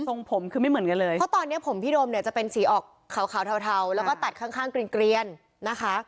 ผมคือไม่เหมือนกันเลยเพราะตอนนี้ผมพี่โดมเนี่ยจะเป็นสีออกขาวขาวเทาแล้วก็ตัดข้างเกลียนนะคะ